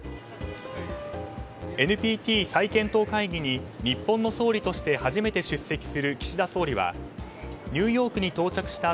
ＮＰＴ再検討会議に日本の総理として初めて出席する岸田総理はニューヨークに到着した